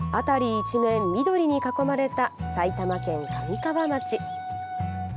一面、緑に囲まれた埼玉県神川町。